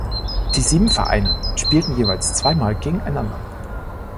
Die sieben Vereine spielten jeweils zwei Mal gegeneinander.